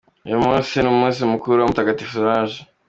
Uyu munsi ni umunsi mukuru wa Mutagatifu Solange.